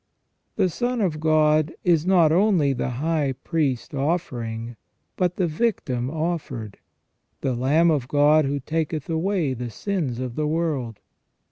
The son of God is not only the high priest offering, but the victim offered :" the Lamb of God who taketh away the sins of the world